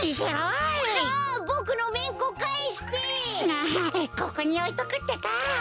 あここにおいとくってか。